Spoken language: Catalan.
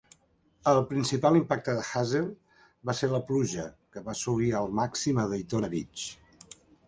El principal impacte de Hazel va ser per la pluja, que va assolir el màxim a Daytona Beach.